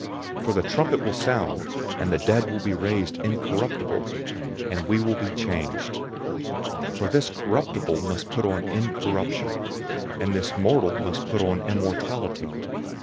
For the trumpet will sound, and the dead will be raised incorruptible, and we will be changed. 015:053 For this corruptible must put on incorruption, and this mortal must put on immortality.